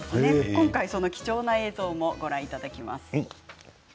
今回貴重な映像もご覧いただきます。